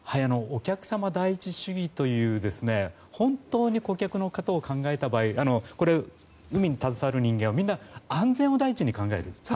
お客様第一主義という本当に顧客のことを考えた場合海に携わる人間はみんな安全を第一に考えます。